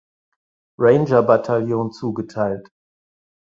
Ranger Battalion zugeteilt.